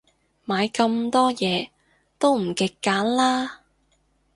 買咁多嘢，都唔極簡啦